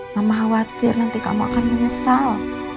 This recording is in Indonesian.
mama khawatir nanti kamu akan menyesal